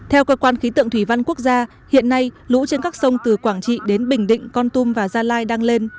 theo cơ quan khí tượng thủy văn quốc gia hiện nay lũ trên các sông từ quảng trị đến bình định con tum và gia lai đang lên